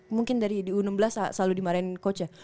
mungkin dari di u enam belas selalu dimarahin coach ya